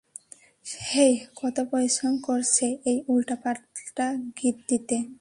হেই, কত পরিশ্রম করছে এই উল্টাপাল্টা গিট দিতে?